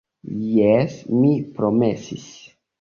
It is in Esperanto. Jes, mi promesis.